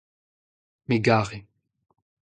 me 'gare.